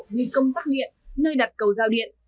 duy công bắt nguyện nơi đặt cầu giao điện